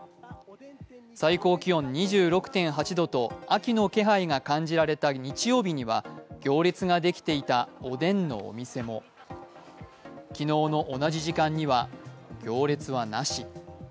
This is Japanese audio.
最高気温２６．８度と、秋の気配が感じられた日曜日には行列ができていたおでんのお店も昨日の同じ時間には行列はなし。